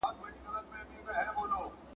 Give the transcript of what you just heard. یو خو دا چي نن مي وږي ماشومان دي ,